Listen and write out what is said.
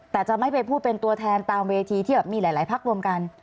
แต่จะไม่ไปพูดเป็นตัวแทนตามเวทีที่แบบมีหลายพักรวมกัน